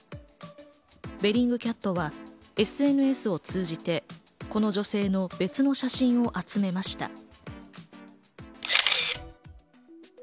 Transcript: ベリングキャットはＳＮＳを通じてこの女性の別の写真を集めました。